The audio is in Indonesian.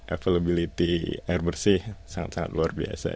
availability air bersih sangat sangat luar biasa